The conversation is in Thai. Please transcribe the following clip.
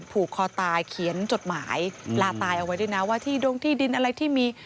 ผูกคอตายเขียนจดหมายลาตายเอาไว้ด้วยนะว่าที่ดงที่ดินอะไรที่มี